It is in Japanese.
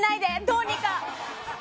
どうにか。